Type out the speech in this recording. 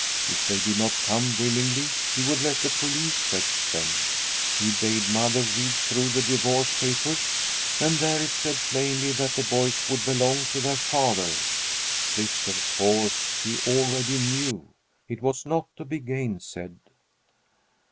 If they did not come willingly, he would let the police fetch them. He bade mother read through the divorce papers, and there it said plainly that the boys would belong to their father. This, of course, she already knew. It was not to be gainsaid.